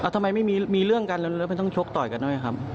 ทำไมไม่มีเรื่องกันแล้วไม่ต้องชกต่อยกันด้วยครับ